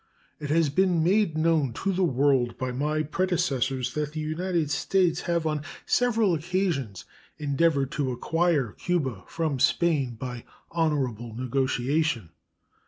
It has been made known to the world by my predecessors that the United States have on several occasions endeavored to acquire Cuba from Spain by honorable negotiation.